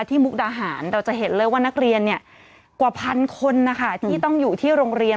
มุกดาหารเราจะเห็นเลยว่านักเรียนกว่าพันคนนะคะที่ต้องอยู่ที่โรงเรียน